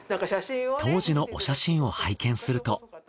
当時のお写真を拝見すると。